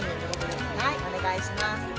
お願いします。